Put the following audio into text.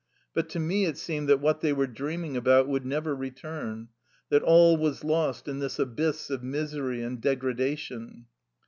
But to me it seemed that what they were dreaming about would never return, that all was lost in this abyss of misery and degradation.